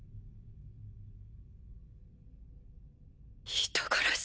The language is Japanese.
人殺し。